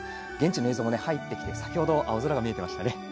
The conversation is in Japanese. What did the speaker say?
現地の映像も入ってきて先ほど青空が見えていましたね。